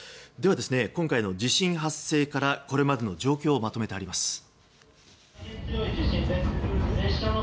では、今回の地震発生からこれまでの状況をまとめてあります。